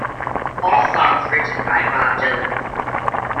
All songs written by Bob Dylan.